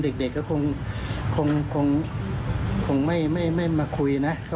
ก็คือจะโหวตให้ทันทีเลยนะครับ